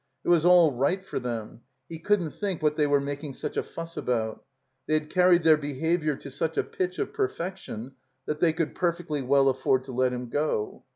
It was all right for them. He couldn't think what they were making such a fuss about. They had carried their behavior to such a pitch of perfection that they could perfectly well afford to let him go.